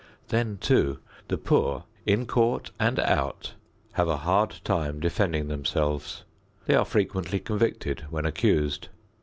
Then too, the poor in court and out have a hard time defending themselves. They are frequently convicted when accused.